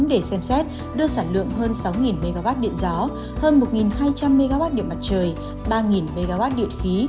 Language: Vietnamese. để xem xét đưa sản lượng hơn sáu mwp điện gió hơn một hai trăm linh mwp điện mặt trời ba mwp điện khí